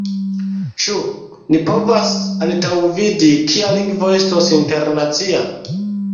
Ĉu ni povas antaŭvidi, kia lingvo estos internacia?